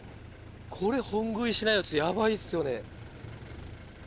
これ本食いしないやつヤバいっすよね。